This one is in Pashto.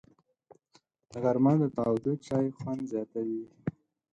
غرمه د تاوده چای خوند زیاتوي